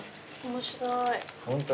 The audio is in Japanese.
面白い。